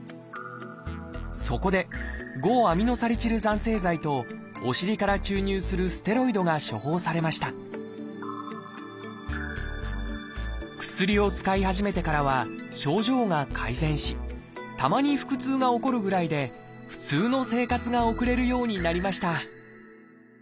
そこで５−アミノサリチル酸製剤とお尻から注入するステロイドが処方されました薬を使い始めてからは症状が改善したまに腹痛が起こるぐらいで普通の生活が送れるようになりました